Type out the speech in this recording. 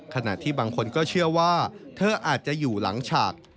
ขณะที่บางคนก็เชื่อว่าเธออาจจะอยู่หลังฉาก